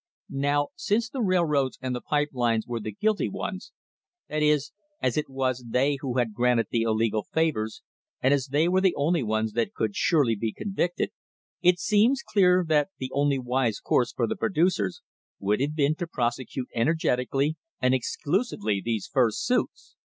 Now, since the railroads and the pipe lines were the guilty ones — that is, as it was they who had granted the illegal favours, and as they were the only ones that could surely be convicted, it seems clear that the only wise course for the producers would have been to prosecute energetically and exclusively these first suits.